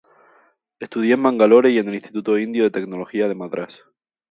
Estudió en Mangalore y en el Instituto Indio de Tecnología de Madrás.